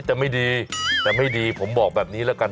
จะไม่ดีแต่ไม่ดีผมบอกแบบนี้แล้วกัน